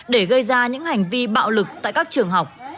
để gây ra những hành vi bạo lực tại các trường học